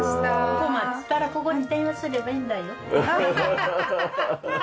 困ったらここに電話すればいいんだよ。